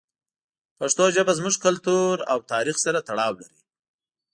پښتو ژبه زموږ کلتور او تاریخ سره تړاو لري.